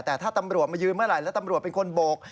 แต่ถ้าตำรวจมายืนเมื่อไหร่แล้วตำรวจเป็นคนโบก